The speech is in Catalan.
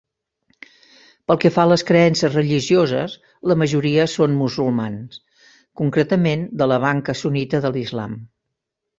Pel que fa a les creences religioses, la majoria són musulmans, concretament de la banca sunnita de l'islam.